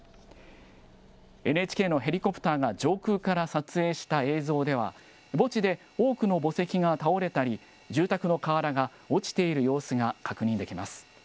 ＮＨＫのヘリコプターが上空から撮影した映像では、墓地で多くの墓石が倒れたり、住宅の瓦が落ちている様子が確認できます。